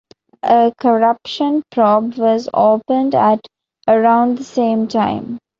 A corruption probe was opened at around the same time.